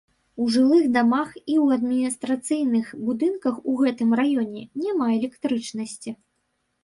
У жылых дамах і ў адміністрацыйных будынках у гэтым раёне няма электрычнасці.